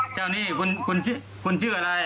เจ้านี่คุณชื่ออะไร